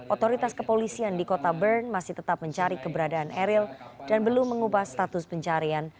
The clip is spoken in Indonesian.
otoritas kepolisian di kota bern masih tetap mencari keberadaan eril dan belum mengubah status pencarian